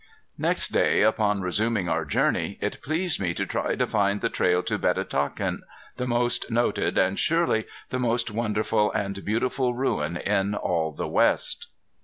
Next day, upon resuming our journey, it pleased me to try to find the trail to Betatakin, the most noted, and surely the most wonderful and beautiful ruin in all the West.